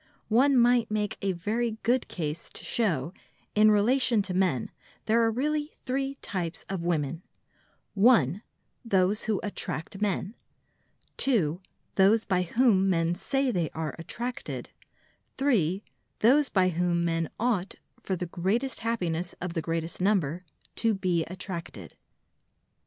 One might make a very good case to show that, in relation to men, there are really three types of women: (1) those who attract men, (2) those by whom men say they are attracted, (3) those by whom men ought (for the greatest happiness of the greatest number) to be attracted.